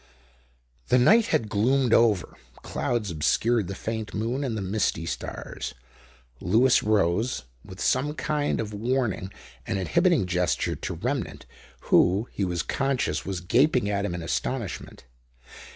'" The night had gloomed over; clouds obscured the faint moon and the misty stars. Lewis rose, with some kind of warning and inhibiting gesture to Remnant, who, he was conscious was gaping at him in astonishment.